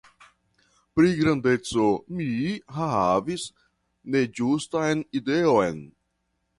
Pri grandeco mi havis neĝustan ideon.